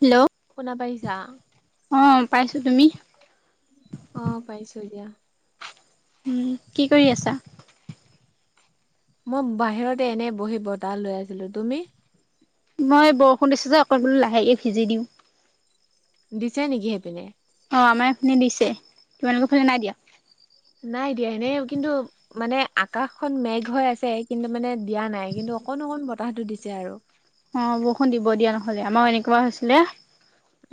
Hello. শুনা পাইছা? অ' পাইছো তুমি আহ পাইছো দিয়া। কি কৰি আছা? মই বাহিৰতে এনেই বহি বতাহ লৈ আছিলো, তুমি? মই বৰষুণ দিছো যে অকল বোলো লাহেকে ভিজি দিওঁ। দিছে নেকি সেইপিনে? অঁ আমাৰ এইপিনি দিছে, তোমালোকৰ ফালে নাই দিয়া? নাই দিয়া সেই কিন্তু মানে আকাশন মেঘ হৈ আছে কিন্তু মানে দিয়া নাই কিন্তু অকন অকণ বতাহটো দিছে আৰু। অঁ বৰষুণ দিব দিয়া নহলে আমাৰ এনেকুৱা হৈছিলে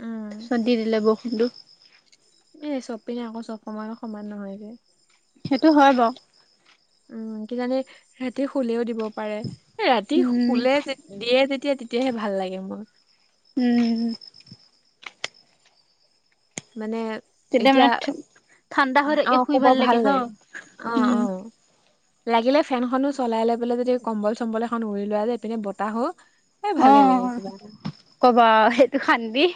উম, দি দিলে বৰষুণটো। এ চব পিনে আকৌ চব সময়ো সমান নহয় যে। সেইটো হয় বাও। উম কিজানি ৰাতি শুলেও দিব পাৰে ৰাতি উম শুলে যে। দিয়ে যেতিয়া তেতিয়াহে ভাল লাগে মোৰ। উম। মানে- তেতিয়া এতিয়া মানে ঠাণ্ডা হৈ থাকে অঁ শুই শুব ভাল হয় লাগে অঁ উম অঁ। লাগিলে ফেনখনো চলাই লৈ পেলাই যদি কম্বল চম্বল এখন উৰি লোৱা য এই পিনে বতাহো। এই অ' ভালে লাগে কিবা এটা। ক'বা সেইটো খান্দি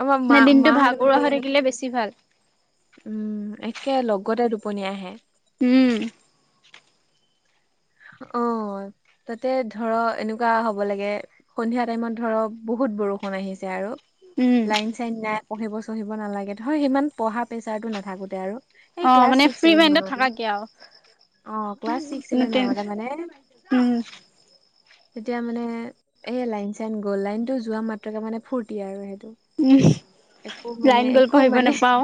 আমাৰ মা নে দিনটো মাহঁতে মানে ভাগৰুৱা হৈ সেইকাৰণে থাকিলে বেছি ভাল। উম একে লগতে টোপনি আহে। উম। অঁ তাতে ধৰ এনেকুৱা হ'ব লাগে সন্ধিয়া টাইমত ধৰক বহুত বৰষুণ আহিছে আৰু। উম লাইন চাইন নাই পঢ়িব চঢ়িব নালাগে ধৰ সিমান পঢ়া প্ৰেচাৰটো নাথাকোতে আৰু। এই অ' ক্লাছ মানে ছিক্স ফ্ৰী ছেভেন মাইণ্ডত মানত থাকাকে আৰু অ' ক্লাছ ছিক্স কোনো ছেভেন মানত। এই টেনচন মানে। উম তেতিয়া মানে এ লাইন চাইন গ'ল লাইনটো যোৱা মাত্ৰকে মানে ফূৰ্তি আৰু সেইটো। উম একো মানে লাইন গ'ল একো পঢ়িব মানে নাপাও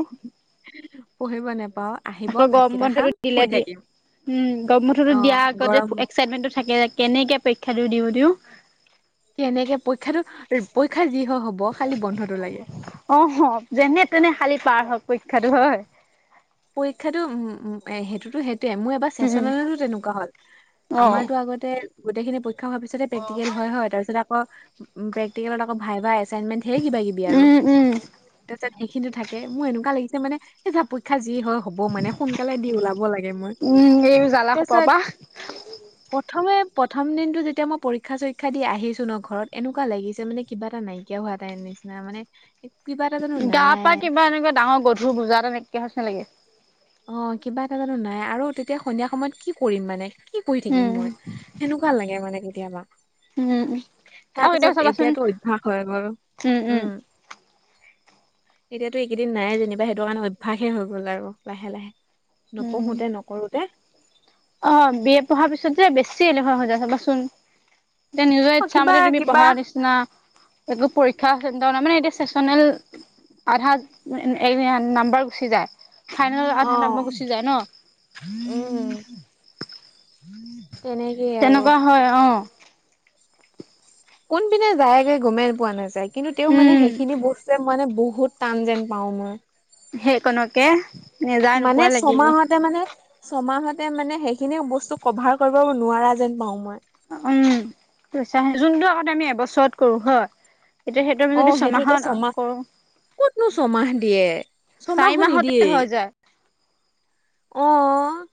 পঢ়িব নেপাওঁ। আহিব আকৌ গৰম ভাতকেইটা খাম বন্ধতো শুই দিলে দিয়ে থাকিম উম গৰম বন্ধতটো অ দিয়া আগতে গৰমত যে। থাকে কেনেকে পৰীক্ষা দি দিওঁ দিওঁ। সেনেকে পৰীক্ষাটো পৰীক্ষা যি হয় হব খালি বন্ধটো লাগে। অ', হ যেনে তেনে খালি পাৰ হওঁক পৰীক্ষাটো হয়। পৰীক্ষাতো উম সেইটোতো সেইটোৱে মোৰ এবাৰ উম চেচনেলতো তেনেকুৱা হ'ল। অ আমাৰতো আগতে। গোটেইখিনি পৰীক্ষা হোৱাৰ পিছতে প্ৰেকটিকেল হয় তাৰ পিছত আকৌ উ প্ৰেকটিকেলত আকৌ ভাইভা। এছাইনমেণ্ট ঢেৰ কিবা কিবি আৰু উম উম তাৰপিছত সেইখিনিটো থাকে মোৰ এনেকুৱা লাগিছে মানে। পৰিক্ষা যি হয় হ'ব মানে সোনকালে দি ওলাব লাগে মই উম এই জ্বালা সোপা তাছত। পা প্ৰথমে প্ৰথম দিনটো যেতিয়া মই পৰীক্ষা চৰীক্ষা দি আহিছো ন ঘৰত এনেকুৱা লাগিছে মানে। কিবা এটা নাইকিয়া হোৱাটাই নিচিনা মানে। কিবা এটা জানো গা পা নাই কিবা এনেকুৱা ডাঙৰ গধুৰ বুজা তেনেকে হৈছে নেকি। অ', কিবা এটা জানো নাই আৰু তেতিয়া সন্ধিয়া সময়ত কি কৰিম মানে কি কৰি থাকিম উম মই সেনেকা। ভাল লাগে মানে কেতিয়াবা। উম উম আৰু এতিয়া তাৰপিছত চাবাচোন এতিয়াতো অভ্যাস হৈ গল উম। এতিয়াতো এইকেইদিন নাই যেনিবা সেইটো কাৰণে অভ্যাসে হৈ গ'ল আৰু লাহে লাহে। উম নপঢ়োতে নকৰোতে। অ' বি এ পঢ়াৰ পিছত যে বেছি এলেহোৱা হৈ যায় চাবাচোন। এতিয়া নিজৰ অ কিবা ইচ্ছামতে তুমি কিবা পঢ়াৰ নিচিনা। এইবোৰ পৰীক্ষা চিন্তাও নাই মানে এতিয়া চেচনেল। আধা নাম্বাৰ গুচি যায়। ফাইনেলত অ আধা নাম্বৰ গুচি যায় ন। উম। তেনেকেই আৰু তেনেকুৱা হয় অ' কোনপিনে যায়গে গুমেই পোৱা নাযায় কিন্তু তেওঁ মানে উম হেৰি সেই খিনি বস্তুৱে মানে বহুত টান যেন পাও মই। সেই কনকে নেজা নোপোৱা লাগিল। এতিয়া মানে। ছমাহতে মানে সেইখিনি বস্তু কভাৰ কৰিব নোৱাৰা যেন পাও মই। উম পইছা যোনটো আগতে আমি এবছৰত কৰো হয়। এতিয়া সেইটো আমি অ যদি সেইটো এতিয়া ছমাহত ছমাহ কৰোঁ। ক'তনো ছমাহ দিয়ে চাৰি ছমাহো মাহতে নিদিয়ে। হৈ যায় অ',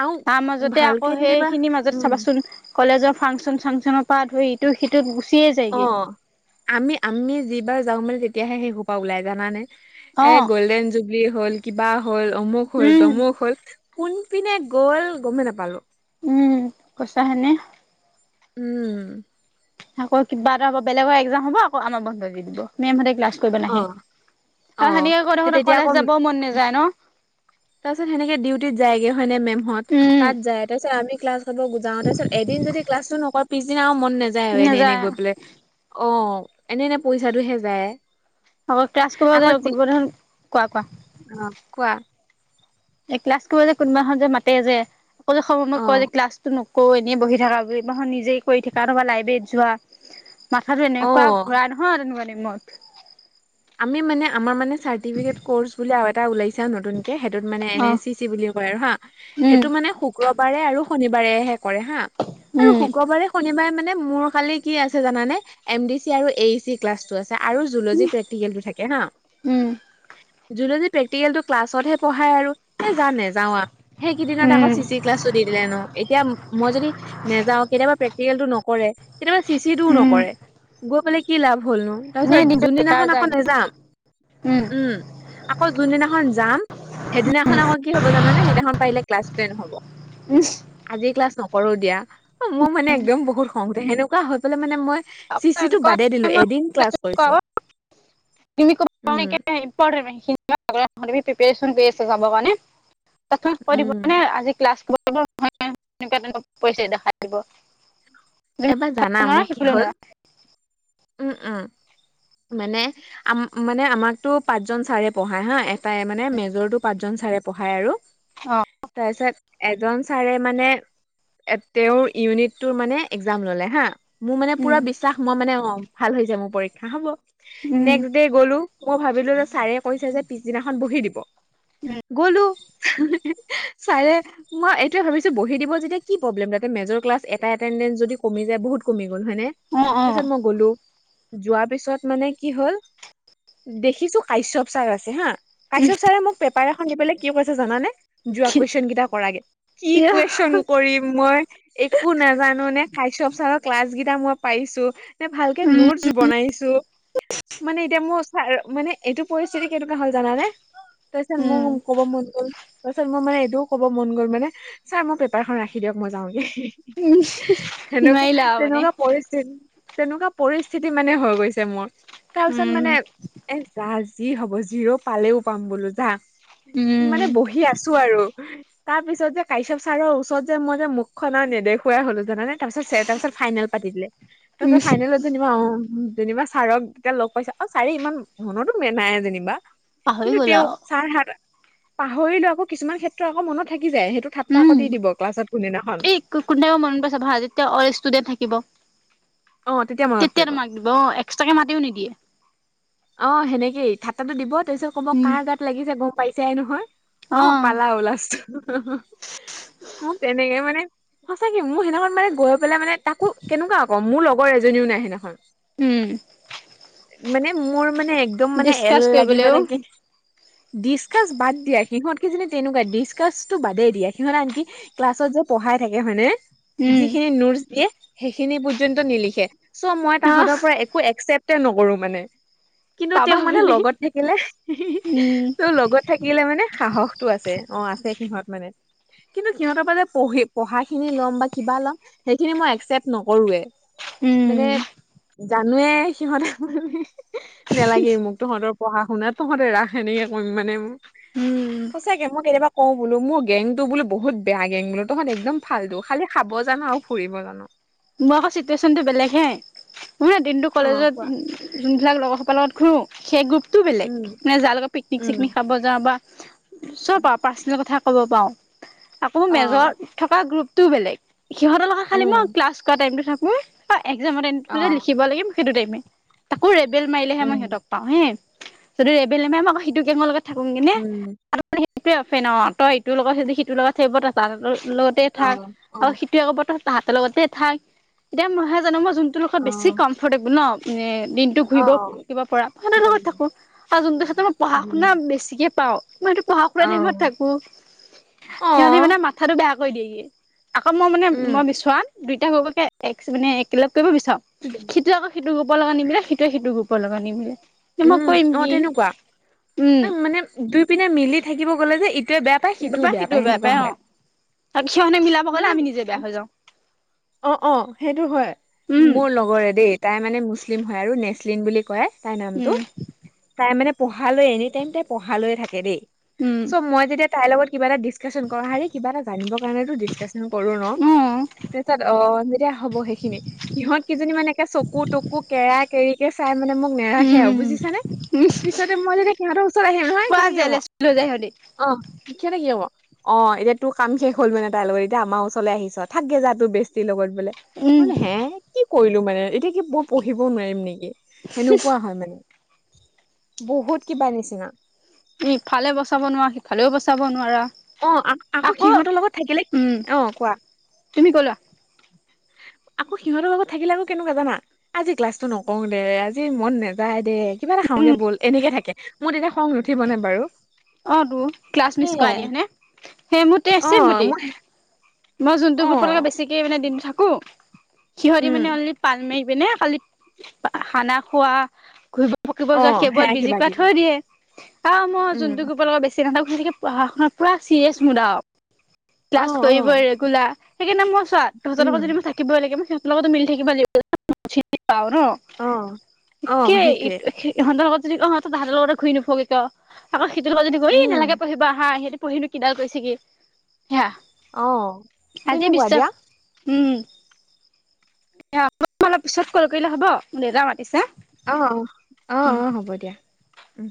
আৰু তাৰ মাজতে আকৌ ভালকে যেনিবা সেইখিনি মাজত উম চাবাচোন। কলেজৰ ফাংচন চাংচনৰ পৰা ধই ইটো সিটোত গুচিয়ে অ যায়গৈ আমি আমি যিবাৰ যাওঁ মেলি তেতিয়াহে সেই সোপা ওলাই জানে। অ এ গল্ডেন জুবলি হ'ল কিবা হ'ল অমুক হ'ল উম তমুক হ'ল। কোনপিনে গল গমেই নাপালো। উম কৈছা হেনে। উ'ম। আকৌ কিবা এটা হব বেলেগৰ একজাম হব আক আম বন্ধ দি দিব মেমতে ক্লাছ। অ নাহে অ আৰু সেনেকে কৰি সেই থাকোতে তেতিয়া কলেজ যাবও মন নাযায় ন। তাৰ পিছত সেনেকে ডিউটিত যায়গে হয়নে মেমঁত উম তাত যায় তাৰপিছ আমি ক্লাছ। বুজাওঁ তাৰপিছত এদিন যদি কালছটো নকৰে পিছদিনা আৰু মন নাযায় হয় এনে এনে গৈ পেলাই। অ এনে এনে পইচাটোহে যায়। আক ক্লছ কৰিব যায়, কুনবা দিনাখন, কোৱা কোৱা? অ'হ কোৱা? এ ক্লাছ কৰিব যে কোনোবা যে মাতে যে, অকললে [unintelligible] সময় মই অ কয় যে ক্লাছ নকো এনেই বহি থাকা বুলি নিজেই কৰি থাকা, নবা লাইব্ৰেৰীত যোৱা, মাথাতো এনেকুৱা অ ঘুৰাই নহয় তেনেকুৱা দিমত, আমি মানে আমাৰ মানে চাৰ্ তি‌ ফিকেত কৰচ বুলি আৰু এটা ওলাইছা নতুনকে, সেইটোত মানে অ এ চি চি বুলি কয় আৰু হা! উম সেইটো মানে শুক্ৰবাৰে আৰু শনিবাৰেহে কৰে হা আৰু উম শুক্ৰবাৰে শনিবাৰে মানে মোৰ খালি কি আছে জানে, এম ডি চি আৰু এ ই চি ক্লাছ টো আছে আৰু জুলজি প্ৰেক্টিকেলটো থাকে না? উম যোন য প্ৰেক্টিকেল টো ক্লাছত হে পঢ়াই আৰু এই জা' নেযাওঁ সেইকেইদিনত আকৌ উম চি চি ক্লাছটো দি দিলে ন, এতিয়া মই যদি নেযাওঁ কেতিয়াবা প্ৰেক্টিকেলটো নকৰে, কেতিয়াবা চিচি টোও উম নকৰে, গৈ পেলাই কি লাভ হ'লনো, এনে তাৰপিছত দিনটো যোনদিনা আকৌ বেকাৰ যায় নেযাম উ'ম, আকৌ যোনদিনাখন যাম, সেইদিনাখন আকৌ কি হ'ব জানে সেইদিনাখন পাৰিলে ক্লাছটোৱে নহ'ব। উ'মহ। আজি ক্লাছ নকৰো দিয়া, অ মোৰ মানে একদম বহুত খং উঠে। সেনেকুৱা হৈ পেলাই মানে মই চি চি টো বাদে দিলো, এদিন ক্লাছ কৰিছো। [unintelligible] প্ৰিপেচন উম কৰি আছো জাবৰ কাৰণে, তুমি কৈদিব উম মানে আজি ক্লাছ কৰি ব তেনেকুৱা তেনেকুৱ পৰিছে দেখাই দিব। তুমি এবাৰ ইফালে জানা। নৰা মোৰ কি সিফালে হ'ল, নৰা উম, উম। মানে আ মানে আমাকতো পাঁচ জন ছাৰে পঢ়ায় হা! তাই মানে মেজৰতো পাঁচজন ছাৰে পঢ়ায় আৰু অ তাৰপিছত এজন ছাৰে মানে, তেওঁৰ ইউনিটটোৰ মানে এক্সাম ললে হা, মোৰ মানে পুৰা উম বিশ্বাস মই মানে অ ভাল হৈছে মোৰ পৰীক্ষা হব, উম গলো মই ভাবিলো যে ছাৰে কৈছে যে পিছদিনাখন বহি দিব। গলো' [unintelligible] চাৰে মই এইটোৱে ভাবিছো বহী দিব যেতিয়া কি প্ৰব্লেম, তাতে মেজৰ ক্লছ এটা এটডেঞ্চ যদি কমি যায় বহুত কমি গ'ল হয় নে? উম অ অ তাৰ পিছত মই গ'লো, যোৱাৰ পিছত মানে কি হ'ল, দেখিছোঁ কাইচপ চাৰ আছে হাঁ! কাইচপ চাইৰে মোক পেপ পাৰ এখন দি পেলাই কি কৈছে জানানে? যোৱা কুৱেশন কেইটা কৰাগে, কি ইয়া কুৱেশন কৰিম মই একো নাজানো নে, কাইপচাৰৰ ক্লাছ কেইটা মই পাৰিছো, এ ভালকে উম নুডচ বনাইছো, মানে এতিয়া মোৰ মানে এইটো পৰিস্থিতি কেইেতে হ'ল জানানে? তাৰপিছত উম মোৰ কব মন গ'ল। তাৰপাছত মই মানে এইটোও কব মন গ'ল মানে, ছাৰ মোৰ পেপাৰখন ৰাখি দিয়ক মই যাওঁগে হে, উম হে। [unintelligible] নোৱাৰিলা সেনেকুৱা আৰু মানে তেনেকুৱা পৰিস্থিতি তেনেকুৱা পৰিস্থিতি মানে হৈ গৈছে মোৰ। তাৰপিছত উম মানে এ যা, যি হব যিৰো পালেও পাম বোলো যা। মানে উম বহি আছো আৰু তাৰপিছত যে কাশ্যপ ছাৰৰ ওচৰত যে, মই যে মুখ খনৰ নেদেখুৱাই হ'লো জানানে? তাৰ পিছত চে তাৰপিছত ফাইনেল পাতি দিলে। তাৰ উম পিছত ফাইনেলত যেনিবা অ' যেনিবা ছাৰক তেতিয়া লগ পাইছো, অ ছাৰে ইমান মনতো নাই যেনিবা। পাহৰি কিন্তু গ'লা তেওঁ আৰু ছাৰ হাত পাহৰিলো আকৌ কিছুমান ক্ষেত্ৰত আকৌ মনত থাকি যায়, সেইটো ঠাট্টা কৰি দিব ক্লাছত কোনদিনাখন। কোন দিনা খন মনত পৰে চাবা, যেতিয়া অইল ষ্টুডেণ্ট থাকিব। অ তেতিয়া মনত পৰিব। দিব অঁ এক্সট্ৰাকৈ মাতিও নিদিয়ে। অ সেনেকেই ঠাট্টা টো দিব, তাৰ পিছত কব' উম কাৰ গাত লাগিছে গম পাইছাই নহয়? অ পালা ও লাস্ত উম, তেনেকে মানে সঁচাকে মোৰ সেইদিনাখন মানে গৈ পেলাই মানে তাকো কেনেকুৱা আকৌ মোৰ লগৰ এজনীও নাই সেইদিনাখন। উম মানে মোৰ মানে একদম মানে এল ডিচকাচ লাগি কৰিবলৈও মানে কি ডিচকাছ বাদ দিয়া সিহঁত কিজনী তেনেকুৱায়ে ডিচকাচটো বাদেই দিয়া সিহঁত আনকি ক্লাছত যে পঢ়াই থাকে হয়নে? উম যিখিনি নোত্চ দিয়ে সেইখিনি পৰ্যন্ত নিলিখে চ' মই আহ তাঁহতৰ পৰা এক কো একচেপ্টে নকৰো মানে। কিন্তু পাবা তেওঁ মানে বুলি লগত থাকিলে উম তেওঁ লগত থাকিলে মানে সাহসটো আছে অ আছে সিহঁত মানে। কিন্তু সিহঁতৰ পৰা যে পঢ়ি পঢ়াখিনি ল'ম বা কিবা ল'ম সেইখিনি মই একচেপ্ট নকৰোৱে। মানে উম জানোৱে সিহঁত [unintelligible] নালাগেই মোক তহঁতৰ পঢ়া-শুনা তহঁতে ৰাস এনেকে কও মানে মই। উম উম। সঁচাকে মই কেতিয়াবা কওঁ বোলো মোৰ গেংটো বোলো বহুত বেয়া গেং বোলো তহঁত একদম ফাল্টো খালি খাব জান আৰু ফুৰিব জান। মোৰ আকৌ চিটুৱেচনটো বেলেগ হে, মানে দিনটো অ কলেজত কোৱা যোনবিলাক লগৰ সোপাৰ লগত ঘূৰো সেই গ্ৰুপতটোও বেলেগ উম মানে যাৰ লগত উম পিকনিক-চিকনিক খাব যাওঁ বা চব পা পাৰ্চনেল কথা ক'ব পাৰোঁ আকৌ অ মেজৰ থকা গ্ৰুপটোও বেলেগ। সিহঁতৰ লগত খালি উম মই ক্লাছ কৰা টাইমতো থাকোঁ বা এক্সামৰ টাইমটোত অ যে লিখিব লাগে সেইটো টাইমে, তাকো ৰেবেল মাৰিলেহে মই উম সিহঁতক পাওঁ হে, যদি ৰেবেল নামাৰে মই সিটো গেঙৰ লগত থাকোং কেনে উম সিহঁতৰ সেইটোৱে অফেন আও তই ইটোৰ লগত দি সিটোৰ লগত ইটোৱে কব তাহাঁতৰ লগতে অ থাক অ অ আৰু সিটোৱে কব তই তাহাঁতৰ লগতে থাক। এতিয়া মইহে জানোঁ মই যোনটো লগত অ বেছি অ কমফৰটেবুল ন মানে দি নটো ঘূৰিব কিবা পৰা সিহঁতৰ লগত থাকোঁ। আৰু যোনটো ক্ষেতত মই পঢ়া-শুনা বেছিকে পাও, মই সেইটো পঢ়া-শুনা টাইমত অ থাকো। অ সিহঁতি মানে মাথাটো বেয়া কৰি দিয়েগে আকৌ মই মানে মই বিচৰাত দুইটা হৈ এ এক্স মানে একেলগ কৰিব বিচাৰো, উম সেইটো আকৌ সিটো গ্ৰোপৰ লগত নিমিলে সিটোৱে সিটো গ্ৰোপৰ লগত নিমিলে। মই উম কৰিম অ কি তেনেকুৱা। উম মানে দুই পিনে মিলি থাকিব গলে যে ইটোৱে বেয়া বেয়া পায় সিতোৱে বেয়া পায়, অ আৰু সিহঁতে মিলাব গলে মানে আমি নিজে বেয়া হৈ যাওঁ। অ অ সেইটো হয়। উম, মোৰ লগৰে দেই তাই মানে মুছলিম হয় আৰু নেচলিন বুলি কয় তাই নামটো। উম, তাই মানে পঢ়ালৈ এনি টাইম তাই পঢ়ালৈয়ে থাকে দেই। উম, চ' মই তেতিয়া তাইৰ লগত কিবা এটা ডিচকাচন কৰোঁ। হাৰে কিবা এটা জানিবৰ কাৰণেটো ডিচকাচন কৰোঁ ন! উম, তাৰপিছত অ যেতিয়া হ'ব সেইখিনি সিহঁত কেইজনী মানে একে চকু-তকু কেৰা কেৰিকে চাই মানে মোক নেৰাখে আৰু উম। বুজিছানে? উম, পিছতে মই যেতিয়া সিহঁতৰ ওচৰত আহিম নহয়, পুৰা সিহতে কি কব জেলেছ [unintelligible] অ, সিঁহতে কি হ'ব, অ এতিয়া তোৰ কাম শেষ হ'ল মানে তাইৰ লগত এতিয়া আমাৰ ওচৰলৈ আহিছা থাকগে যা তোৰ বেষ্টিৰ লগত বোলে, উম, মোলে হে কি কৰিলো মানে এতিয়া কি মই পঢ়িবও নোৱাৰিম নিকি? সেনেকুৱা হয় মানে বহুত কিবা নিচিনা ইফালে বচাব নোৱাৰা, সিফালেও বচাব নোৱাৰা। অ আক' আকৌ সিহঁতৰ লগত থাকিলে, উম, অ কোৱা? তুমি ক'লা আকৌ সিহঁতৰ লগত থাকিলে আকৌ কেনেকুৱা জানা? আজি ক্লাছটো নকৰো দে আজি মন নে যায় দে, কিবা এটা খাওঁগে বল এনেকে থাকে, মোৰ তেতিয়া খং নুঠিবনে বাৰু? অ তো, ক্লাছ মিচ কৰাই সেয়াই দিয়ে হয়নে? সেই মোৰ তে অ চেম গতি। মই মই যোনটো অ গ্ৰুপৰ লগে বেছিকে মানে দিনটো থাকো, সিহঁতি উম মানে অনলি পাল মাৰি পিনে খালি খানা খোৱা, ঘুৰিব পকিব অ যোৱা সেইবোৰত সেয়া বিজি কিবা কৰাই কিবি থৈ দিয়ে, আহ মই উম বোৰৰ লগত বেছি নাথাকো সিহঁতে পঢ়া-শুনাত পুৰা চিৰিয়াছ মুদ আৰু। অ ক্লাছ অ কৰিব ৰেগুলাৰ সেইকাৰণে মই চোৱা তহঁতৰ উম লগত যদি মই থাক কিব লাগিব, সিহতৰ লগত মিলি থাকিবা লাগা ন, চিনি পাওঁ ন। অ অ কেই সেইটোৱে সি সি সিন্দৰ লগত যদি অ তাহাতৰ লগতে ঘূই নুফুৰগে কিয়? আকৌ সিটোৰ লগত যদি গ উম নালাগে পঢ়িবা হা সিহঁতে পঢ়িলো কিডাল কৰিছে কি অ সেয়া। আজি তেনেকুৱা দিয়া বিশ্বাস উম, অলপ পিছত কল কৰিলে হ'ব, দেউতাই মাতিছে। অঁ অঁ, অঁ উম অঁ হ'ব দিয়া। উম